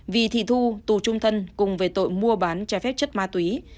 vì thị thu tù trung thân cùng về tội mua bán trái phép chất ma túy